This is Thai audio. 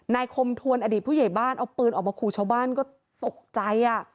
คมทวนอดีตผู้ใหญ่บ้านเอาปืนออกมาขู่ชาวบ้านก็ตกใจ